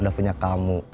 udah punya kamu